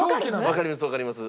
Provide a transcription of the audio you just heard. わかりますわかります。